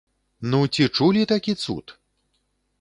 Ну, ці чулі такі цуд?